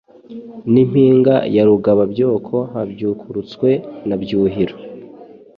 N’impinga ya Rugaba-byoko Habyukurutswe na Byuhiro